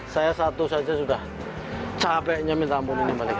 saya satu saja sudah capeknya menampung ini balik